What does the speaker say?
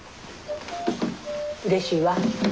うれしいわ。